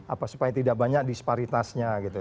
apa supaya tidak banyak disparitasnya gitu